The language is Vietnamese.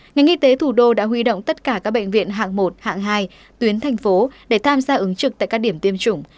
ngành y tế thủ đô đã huy động tất cả các bệnh viện hạng một hạng hai tuyến thành phố để tham gia ứng trực tại các điểm tiêm chủng